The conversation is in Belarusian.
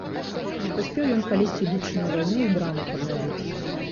Не паспеў ён калісьці, ідучы на вайну, і брамы паднавіць.